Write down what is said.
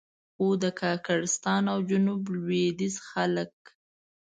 خو د کاکړستان او جنوب لوېدیځ خلک.